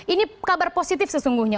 ini kabar positif sesungguhnya